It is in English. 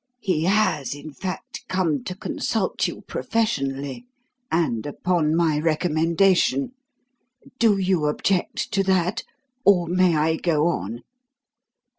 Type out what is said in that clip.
He has, in fact, come to consult you professionally; and upon my recommendation. Do you object to that, or may I go on?"